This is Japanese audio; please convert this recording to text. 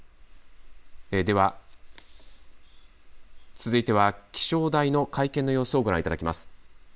続いては気象台の会見の様子をご覧いただきます。